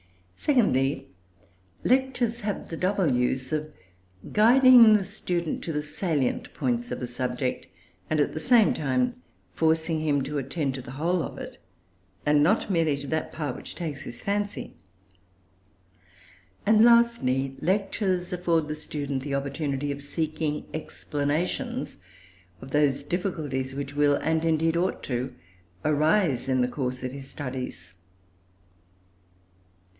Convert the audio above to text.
Secondly, lectures have the double use of guiding the student to the salient points of a subject, and at the same time forcing him to attend to the whole of it, and not merely to that part which takes his fancy. And lastly, lectures afford the student the opportunity of seeking explanations of those difficulties which will, and indeed ought to, arise in the course of his studies.